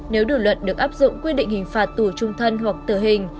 nếu đủ luật được áp dụng quy định hình phạt tù chung thân hoặc tự hình